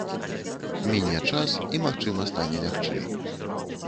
Міне час і, магчыма, стане лягчэй.